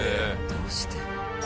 どうして？